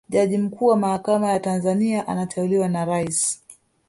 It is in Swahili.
jaji mkuu wa mahakama za tanzania anateuliwa na rais